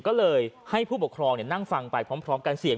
ก็เลยให้ผู้ปกครองนั่งฟังไปพร้อมกันเสียง